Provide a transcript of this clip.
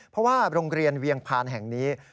เพราะว่าโรงเรียนเวียงพานแห่งนี้